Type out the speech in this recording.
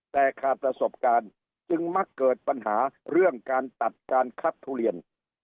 แต่ขาดประสบการณ์จึงมักเกิดปัญหาเรื่องการตัดการคัดทุเรียน